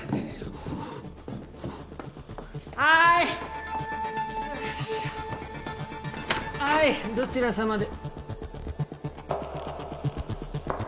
はいどちら様で。